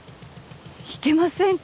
いけませんか？